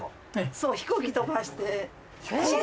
そう飛行機飛ばして地図。